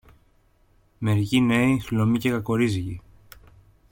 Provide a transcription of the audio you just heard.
Μερικοί νέοι, χλωμοί και κακορίζικοι